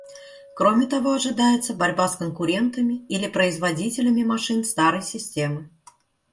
Кроме того, ожидается борьба с конкурентами или производителями машин старой системы.